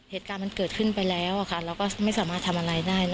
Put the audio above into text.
เหตุการณ์มันเกิดขึ้นไปแล้วเราก็ไม่สามารถทำอะไรได้